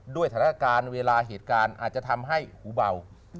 ด้วยสถานการณ์เวลาเหตุการณ์อาจจะทำให้หูเบา